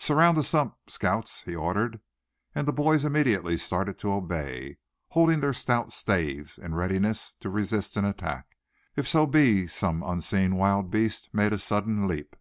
"Surround the stump, scouts!" he ordered; and the boys immediately started to obey, holding their stout staves in readiness to resist an attack, if so be some unseen wild beast made a sudden leap.